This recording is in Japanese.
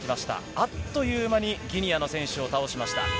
あっという間にギニアの選手を倒しました。